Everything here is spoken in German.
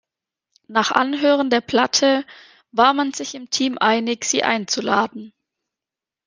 Nach Anhören der Platte war man sich im Team einig, sie einzuladen.